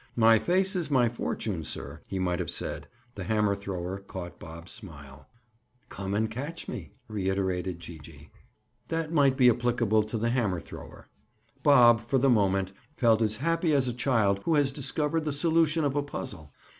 "My face is my fortune, sir," he might have said. The hammer thrower caught Bob's smile. "'Come and catch me,'" reiterated Gee gee. That might be applicable to the hammer thrower. Bob, for the moment, felt as happy as a child who has discovered the solution of a puzzle.